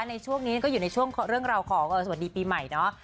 ในช่วงนี้ก็อยู่ในช่วงเรื่องราวของสวัสดีปีใหม่เนาะ